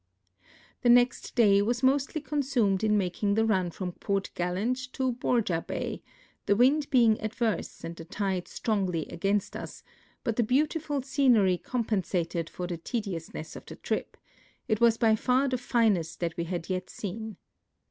The next day was mostly consumed in making the run from Port Gallant to Borja bay, the wind being adverse and the tide strongly against us, but the beautiful scener}^ compensated for the tediousness of the trip ; it was by far the finest that we had yet seen.